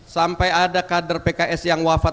sampai ada kader pks yang wafat